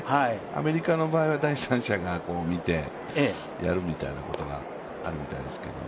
アメリカの場合は第三者が見てやるみたいなことがあるみたいですけど。